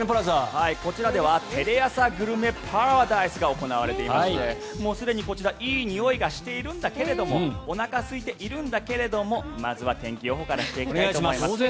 こちらではテレアサグルメパラダイスが行われていましてもうすでにこちらいいにおいがしているんだけれどおなかすいているんだけれどもまずは天気予報からしていきたいと思います。